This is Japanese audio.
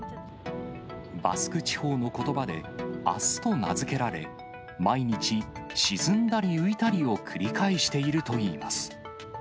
バスク地方のことばであすと名付けられ、毎日、沈んだり浮いたりを繰り返しているといいます。